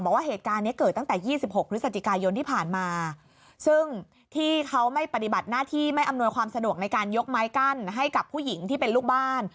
บอกว่าเหตุการณ์นี้เกิดตั้งแต่๒๖พฤศจิกายนที่ผ่านมาซึ่งที่เขาไม่ปฏิบัติหน้าที่ไม่อำนวยความสะดวกในการยกไม้กั้นให้กับผู้หญิงที่เป็นลูกบ้าน